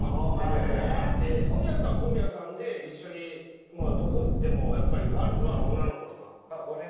小宮さんは小宮さんで一緒にどこ行ってもやっぱりガールズバーの女の子とか。